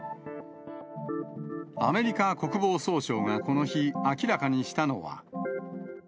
アメリカ国防総省がこの日、明らかにしたのは。